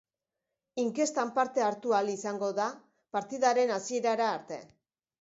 Inkestan parte hartu ahal izango da partidaren hasierara arte.